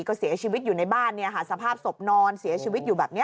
ก็เสียชีวิตอยู่ในบ้านสภาพศพนอนเสียชีวิตอยู่แบบนี้